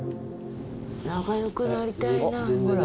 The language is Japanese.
仲良くなりたいなほら。